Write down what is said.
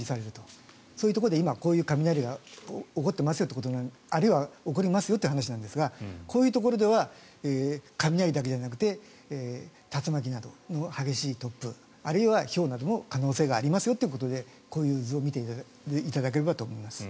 こういうところで雷が起こっていますとあるいは起こりますよという話なんですがこういうところでは雷だけじゃなくて竜巻などの激しい突風あるいは、ひょうなどの可能性がありますよということでこういう図を見ていただければと思います。